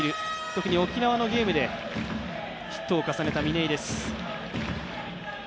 特に沖縄のゲームでヒットを重ねた嶺井です。